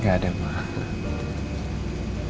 gak ada ma